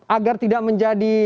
agar tidak menjadi